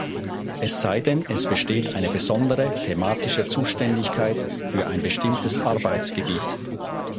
Es sei denn, es besteht eine besondere thematische Zuständigkeit für ein bestimmtes Arbeitsgebiet.